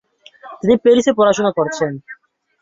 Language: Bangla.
তিনি প্যারিসে পড়াশোনা করেছেন।